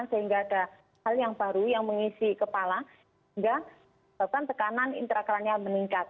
sehingga ada hal yang baru yang mengisi kepala sehingga bahkan tekanan intrakranial meningkat